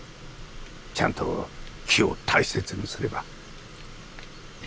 ちゃんと木を大切にすれば。